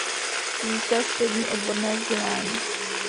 Získal střední odborné vzdělání.